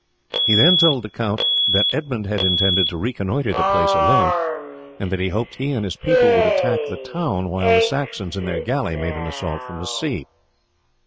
He then told the count that Edmund intended to reconnoitre the place alone, and that he hoped he and his people would attack the town, while the Saxons in their galley made an assault from the sea.